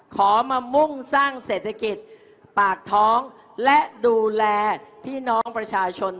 ขอมามุ่งสร้างเศรษฐกิจปากท้องและดูแลพี่น้องประชาชน